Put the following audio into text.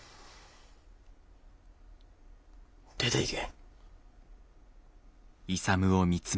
出ていけえ。